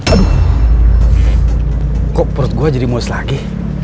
aduh kok perut gue jadi mulus lagi